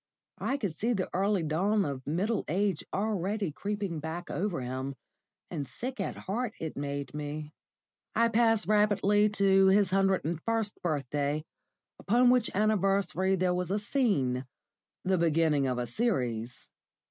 I could see the early dawn of middle age already creeping back over him, and sick at heart it made me. I pass rapidly to his hundred and first birthday, upon which anniversary there was a scene the beginning of a series.